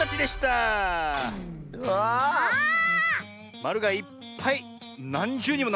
まるがいっぱいなんじゅうにもなってるねえ。